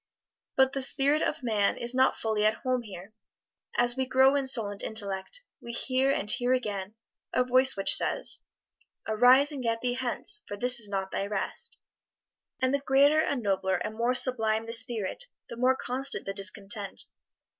But the spirit of man is not fully at home here; as we grow in soul and intellect, we hear, and hear again, a voice which says, "Arise and get thee hence, for this is not thy rest." And the greater and nobler and more sublime the spirit, the more constant the discontent.